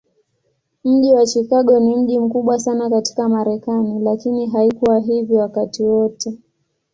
Mji wa Chicago ni mji mkubwa sana katika Marekani, lakini haikuwa hivyo wakati wote.